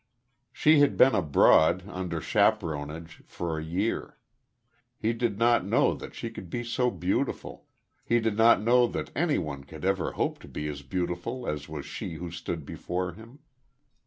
She had been abroad, under chaperonage, for a year.... He did not know that she could be so beautiful he did not know that anyone could ever hope to be as beautiful as was she who stood before him.